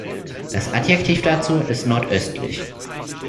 Das Adjektiv dazu ist "nordöstlich".